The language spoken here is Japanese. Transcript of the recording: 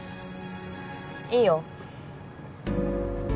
いいよ